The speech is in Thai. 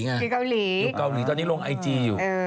อยู่เกาหลีตอนนี้ลงไอจีอยู่